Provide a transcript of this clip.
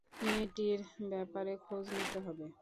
মেয়েটির ব্যাপারে খোঁজ নিতে হবে।